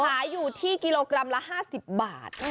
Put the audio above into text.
ขายอยู่ที่กิโลกรัมละ๕๐บาท